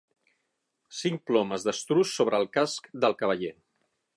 Cinc plomes d'estruç sobre el casc del cavaller.